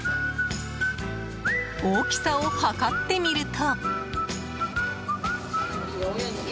大きさを測ってみると。